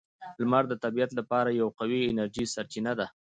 • لمر د طبیعت لپاره یوه قوی انرژي سرچینه ده.